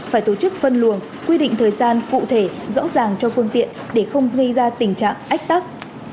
phải tổ chức phân luồng quy định thời gian cụ thể rõ ràng cho phương tiện để không gây ra tình trạng ách tắc